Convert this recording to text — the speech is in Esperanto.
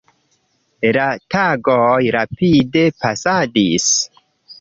La tagoj rapide pasadis.